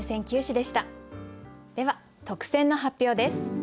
では特選の発表です。